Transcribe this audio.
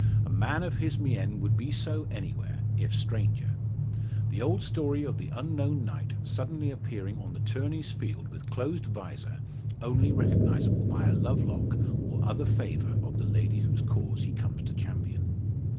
A man of his mien would be so anywhere if stranger. The old story of the unknown knight suddenly appearing on the tourney's field with closed visor, only recognisable by a love lock or other favour of the lady whose cause he comes to champion.